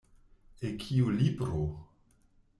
El kiu libro?